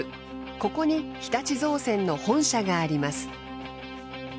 ここに日立造船の本社があります。